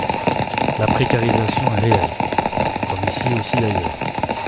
La précarisation est réelle, comme ici aussi d’ailleurs.